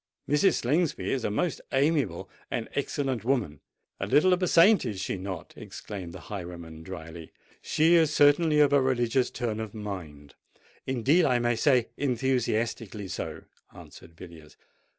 Mrs. Slingsby is a most amiable and excellent woman——" "A little of a saint—is she not?" exclaimed the highwayman drily. "She is certainly of a religious turn of mind—indeed, I may say, enthusiastically so," answered Villiers.